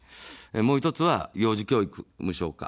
もう１つは幼児教育無償化。